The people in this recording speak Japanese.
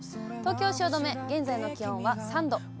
東京・汐留、現在の気温は３度。